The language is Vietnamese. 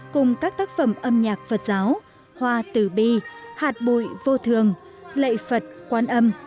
cùng các tác phẩm âm nhạc phật giáo hoa tử bi hạt bụi vô thường lệ phật quan âm